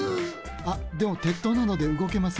あでも鉄塔なのでうごけません